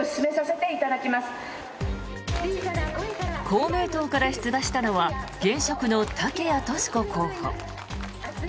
公明党から出馬したのは現職の竹谷とし子候補。